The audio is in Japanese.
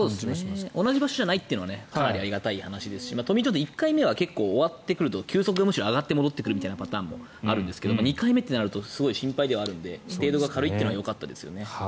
同じ場所じゃないというのはかなりありがたい話ですしトミー・ジョンって１回目は終わってくると球速が上がって戻ってくるというパターンもあるんですけど２回目となるとすごい心配ではあるので程度が軽いというのはよかったですね。